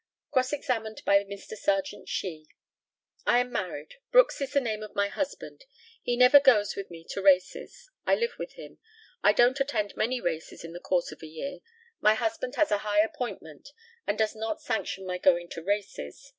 Cross examined by Mr. Serjeant SHEE. I am married. Brooks is the name of my husband. He never goes with me to races. I live with him. I don't attend many races in the course of a year. My husband has a high appointment, and does not sanction my going to races.